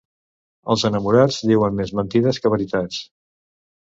Els enamorats diuen més mentides que veritats.